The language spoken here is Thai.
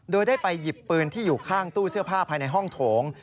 โดยได้ไปหยิบปืนที่อยู่ข้างตู้เสื้อผ้าภายในห้องโถง